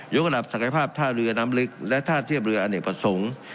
กระดับศักยภาพท่าเรือน้ำลึกและท่าเทียบเรืออเนกประสงค์